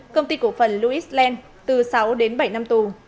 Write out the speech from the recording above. công ty cổ phần louis land từ sáu đến bảy năm tù